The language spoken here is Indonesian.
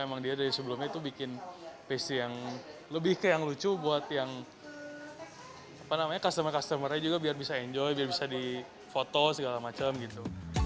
emang dia dari sebelumnya itu bikin pc yang lebih kayak yang lucu buat yang customer customer nya juga biar bisa enjoy biar bisa di foto segala macam gitu